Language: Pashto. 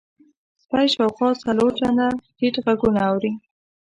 سپی شاوخوا څلور چنده ټیټ غږونه اوري.